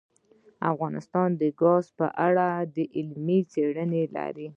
افغانستان د ګاز په اړه علمي څېړنې لري.